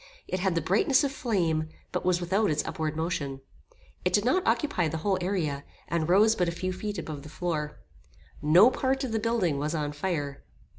It had the brightness of flame, but was without its upward motion. It did not occupy the whole area, and rose but a few feet above the floor. No part of the building was on fire.